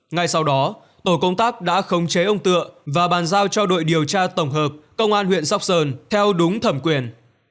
ngay sau đó tổ công tác đã khống chế ông tựa và bàn giao cho đội điều tra tổng hợp công an huyện sóc sơn theo đúng thẩm quyền